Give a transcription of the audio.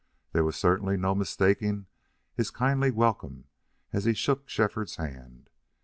There was certainly no mistaking his kindly welcome as he shook Shefford's hand.